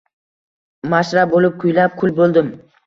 Mashrab bo‘lib kuylab kul bo‘ldim.